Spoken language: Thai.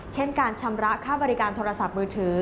เช่นการชำระค่าบริการโทรศัพท์มือถือ